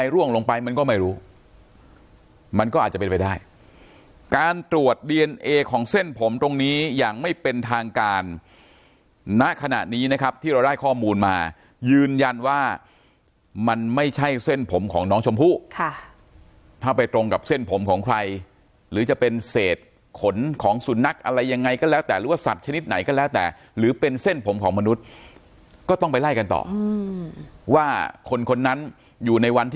ร่วงลงไปมันก็ไม่รู้มันก็อาจจะเป็นไปได้การตรวจดีเอนเอของเส้นผมตรงนี้อย่างไม่เป็นทางการณขณะนี้นะครับที่เราได้ข้อมูลมายืนยันว่ามันไม่ใช่เส้นผมของน้องชมพู่ค่ะถ้าไปตรงกับเส้นผมของใครหรือจะเป็นเศษขนของสุนัขอะไรยังไงก็แล้วแต่หรือว่าสัตว์ชนิดไหนก็แล้วแต่หรือเป็นเส้นผมของมนุษย์ก็ต้องไปไล่กันต่อว่าคนคนนั้นอยู่ในวันที่